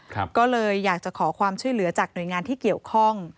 ก็เลยอยากจะขอความช่วยเหลือจากหน่วยงานที่เกี่ยวข้อง